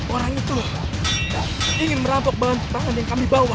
orang itu ingin merampok bahan bahan yang kami bawa